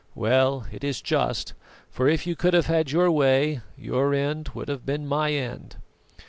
Well, it is just; for if you could have had your way, your end would have been my end."